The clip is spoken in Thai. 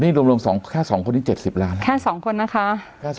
นี่รวมรวมสองแค่สองคนนี้เจ็ดสิบล้านแค่สองคนนะคะ